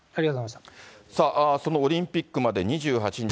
さあ、そのオリンピックまで２８日。